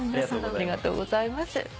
ありがとうございます。